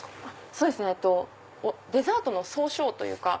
そうですねえっとデザートの総称というか。